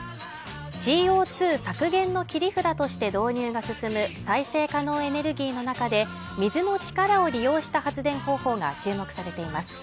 ＣＯ２削減の切り札として導入が進む再生可能エネルギーの中で水の力を利用した発電方法が注目されています